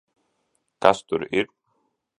Kas tur ir?